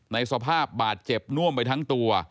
ในสภาพบาดเจ็บน่วมไปทั้งตัว